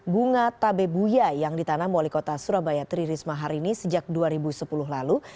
bunga tabebuya yang ditanam wali kota surabaya tri risma hari ini sejak dua ribu sepuluh lalu